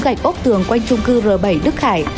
gạch ốc tường quanh trung cư r bảy đức khải